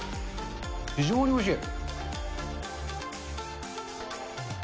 非常においしい。